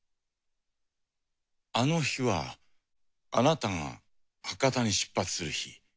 あの日はあなたが博多に出発する日。